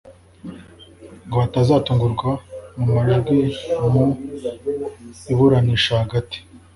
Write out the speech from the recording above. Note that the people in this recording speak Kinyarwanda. ngo batazatungurwa mu majwi mu iburanisha hagati